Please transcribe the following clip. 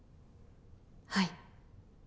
はい。